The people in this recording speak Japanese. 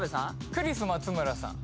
クリス松村さん